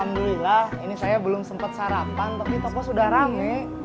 alhamdulillah ini saya belum sempat sarapan tapi toko sudah rame